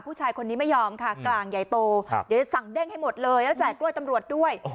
ผู้ชายคนนี้ไม่ยอมค่ะกลางใหญ่โตเดี๋ยวสั่งเด้งให้หมดเลยแล้วแจกกล้วยตำรวจด้วย